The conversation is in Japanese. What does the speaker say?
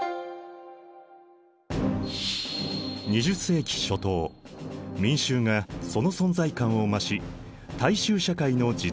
２０世紀初頭民衆がその存在感を増し大衆社会の時代を迎えた。